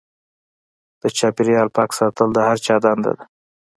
د چاپیریال پاک ساتل د هر چا دنده ده.